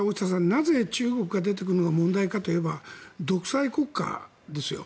なぜ中国が出てくるのかが問題かといえば独裁国家ですよ。